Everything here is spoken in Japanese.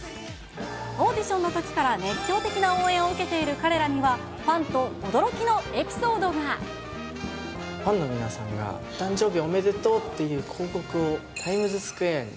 オーディションのときから熱狂的な応援を受けている彼らには、ファンの皆さんが、お誕生日おめでとうっていう広告をタイムズスクエアに。